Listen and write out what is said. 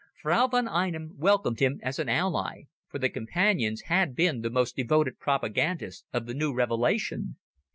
Frau von Einem welcomed him as an ally, for the Companions had been the most devoted propagandists of the new revelation.